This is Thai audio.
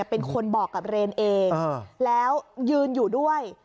เป็นคนบอกกับเรนเองแล้วยืนอยู่ด้วย